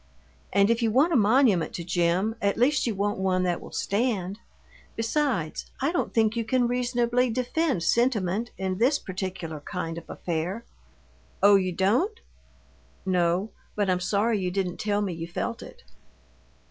And if you want a monument to Jim, at least you want one that will stand. Besides, I don't think you can reasonably defend sentiment in this particular kind of affair." "Oh, you don't?" "No, but I'm sorry you didn't tell me you felt it."